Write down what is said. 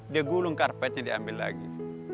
dia gulung karpetnya diambil lagi